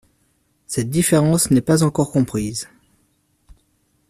Cette différence n'est pas encore comprise.